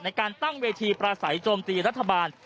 ในการตั้งเวทีประสัยโจมตีรัฐบาล